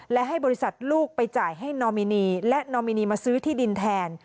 และให้บริษัทลูกไปจ่ายให้นอมินีและนอมินีมาซื้อที่ดินแทน